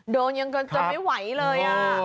โดนยังเกินจนไม่ไหวเลยว่า